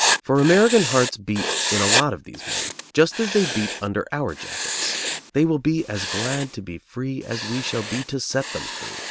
For American hearts beat in a lot of these men, just as they beat under our jackets. They will be as glad to be free as we shall be to set them free.